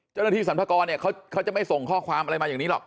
เจ้าหน้าที่สรรพากรเนี่ยเขาจะไม่ส่งข้อความอะไรมาอย่างนี้หรอก